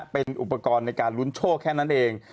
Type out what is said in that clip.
เป็นอุปกรณ์รุ้นโชคแค่นั้น